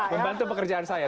membantu pekerjaan saya